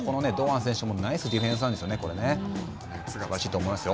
ここの堂安選手もナイスディフェンスなんですよね。